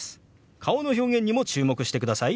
顔の表現にも注目してください。